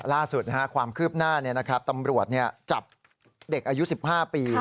ล่าสุดความคืบหน้าตำรวจจับเด็กอายุ๑๕ปี